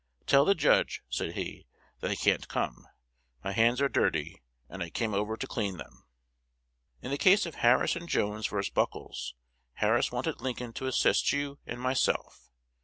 'Tell the judge,' said he, 'that I can't come: my hands are dirty; and I came over to clean them!' "In the case of Harris and Jones vs. Buckles, Harris wanted Lincoln to assist you and myself.